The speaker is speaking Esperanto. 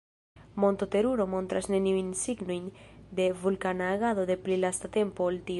Monto Teruro montras neniujn signojn de vulkana agado de pli lasta tempo ol tio.